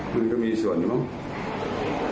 มันก็มีส่วนหรือเปล่า